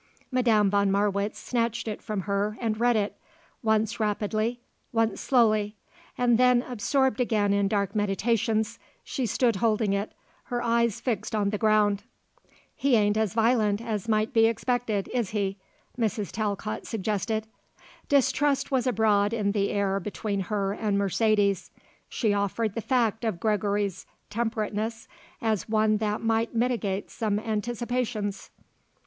Madame von Marwitz snatched it from her and read it, once rapidly, once slowly; and then, absorbed again in dark meditations, she stood holding it, her eyes fixed on the ground. "He ain't as violent as might be expected, is he?" Mrs. Talcott suggested. Distrust was abroad in the air between her and Mercedes; she offered the fact of Gregory's temperateness as one that might mitigate some anticipations.